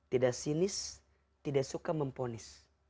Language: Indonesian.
tidak sinis tidak suka memponis